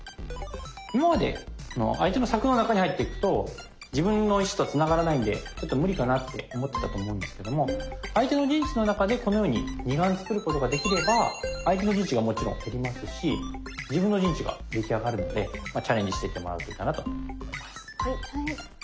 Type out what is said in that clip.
今まで相手の柵の中に入っていくと自分の石とつながらないんでちょっと無理かなって思ってたと思うんですけども相手の陣地の中でこのように二眼つくることができれば相手の陣地がもちろん減りますし自分の陣地ができあがるのでチャレンジしていってもらうといいかなと。